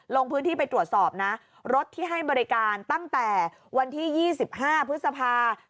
ลงพื้นที่ไปตรวจสอบนะรถที่ให้บริการตั้งแต่วันที่๒๕พฤษภา